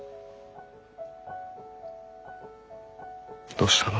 どうしたの？